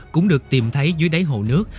cũng được tìm thấy dưới đáy hồ nước